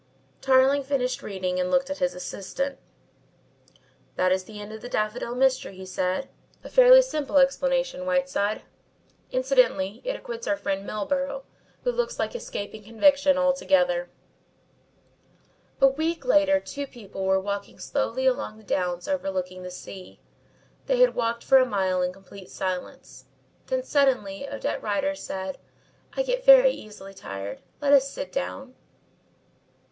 Tarling finished reading and looked at his assistant. "That is the end of the Daffodil Mystery," he said. "A fairly simple explanation, Whiteside. Incidentally, it acquits our friend Milburgh, who looks like escaping conviction altogether." A week later two people were walking slowly along the downs overlooking the sea. They had walked for a mile in complete silence, then suddenly Odette Rider said: "I get very easily tired. Let us sit down."